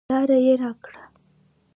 لاره یې راکړه.